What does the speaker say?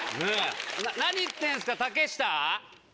なに言ってんすか竹下！